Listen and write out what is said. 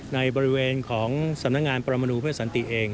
ในบริเวณของสำนักงานประมนูเพื่อสันติเอง